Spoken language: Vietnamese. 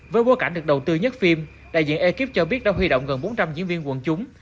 với bối cảnh được đầu tư nhất phim đại diện ekip cho biết đã huy động gần bốn trăm linh diễn viên quần chúng